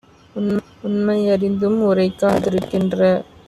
உண்மை யறிந்தும் உரைக்கா திருக்கின்ற